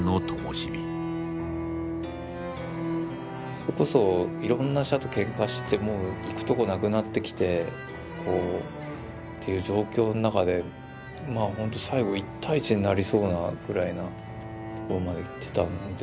それこそいろんな社とケンカしてもう行くとこなくなってきてっていう状況の中でほんと最後１対１になりそうなぐらいなところまでいってたんで。